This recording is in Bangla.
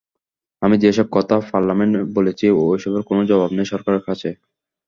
আমি যেসব কথা পার্লামেন্টে বলেছি, এসবের কোনো জবাব নেই সরকারের কাছে।